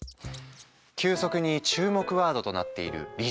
急速に注目ワードとなっているリスキリング。